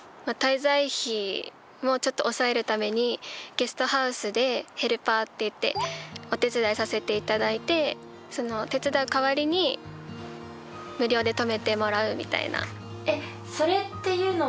滞在費もちょっと抑えるためにゲストハウスでヘルパーっていってお手伝いさせていただいて手伝う代わりに無料で泊めてもらうみたいな。